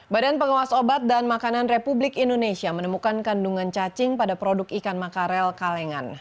badan pengawas obat dan makanan republik indonesia menemukan kandungan cacing pada produk ikan makarel kalengan